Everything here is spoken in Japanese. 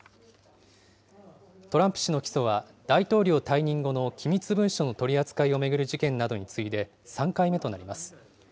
トランプ氏の起訴は、大統領退任後の機密文書の取り扱いを巡る事件などに次いで３回目となります。